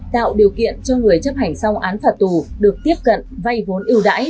tạo điều kiện cho người chấp hành xong án phạt tù được tiếp cận vay vốn ưu đãi